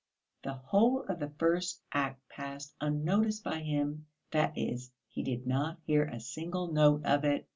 The whole of the first act passed unnoticed by him, that is, he did not hear a single note of it.